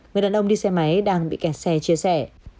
người đàn ông đi xe máy đang bị kẹt xe chia sẻ